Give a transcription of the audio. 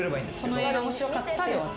「この映画面白かった」で。